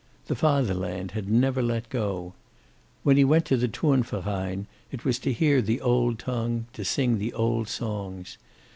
The Fatherland had never let go. When he went to the Turnverein, it was to hear the old tongue, to sing the old songs.